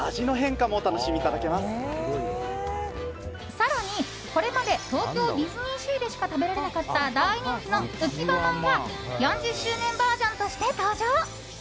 更に、これまで東京ディズニーシーでしか食べられなかった大人気のうきわまんが４０周年バージョンとして登場。